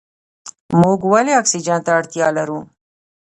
موږ ولې اکسیجن ته اړتیا لرو؟